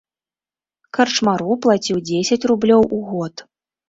Карчмару плаціў дзесяць рублёў у год.